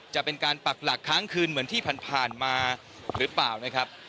จะเป็นการปักหลักค้างคืนเหมือนที่ผ่านมาหรือเปล่านะครับ